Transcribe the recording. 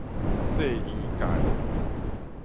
細圓界